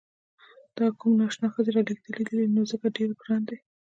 دا کومې نا اشنا ښځې رالېږلي دي نو ځکه ډېر راته ګران دي.